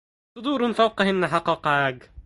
صدور فوقهن حقاق عاج